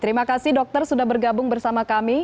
terima kasih dokter sudah bergabung bersama kami